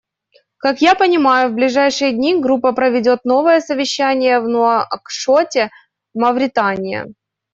Как я понимаю, в ближайшие дни Группа проведет новое совещание в Нуакшоте, Мавритания.